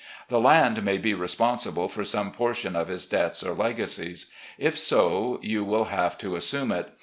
The land may be responsible for some portion of his debts or legacies. If so, you will have to assume it.